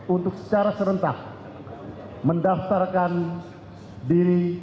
untuk secara serentak mendaftarkan diri